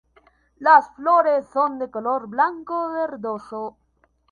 Las flores son de color blanco-verdoso.